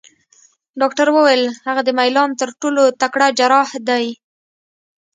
ډاکټر وویل: هغه د میلان تر ټولو تکړه جراح دی.